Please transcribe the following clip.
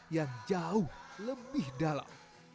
yang jauh lebih dalam